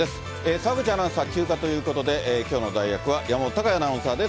澤口アナウンサーは休暇ということで、きょうの代役は山本隆弥アナウンサーです。